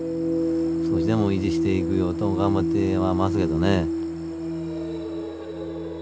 少しでも維持していくようと頑張ってはますけどね。